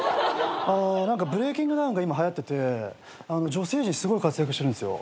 何かブレイキングダウンが今はやってて女性陣すごい活躍してるんすよ。